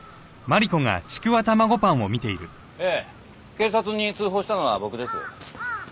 ええ警察に通報したのは僕です。